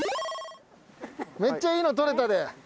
めっちゃいいの撮れたで。